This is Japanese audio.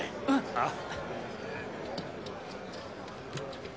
ああ